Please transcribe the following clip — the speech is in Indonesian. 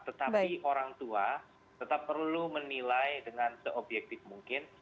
tetapi orang tua tetap perlu menilai dengan seobjektif mungkin